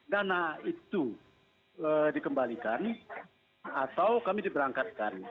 dana itu dikembalikan atau kami diberangkatkan